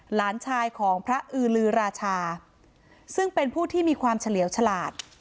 หลานชายของพระอือลือราชาซึ่งเป็นผู้ที่มีความเฉลี่ยวฉลาด